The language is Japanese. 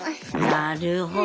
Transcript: なるほど。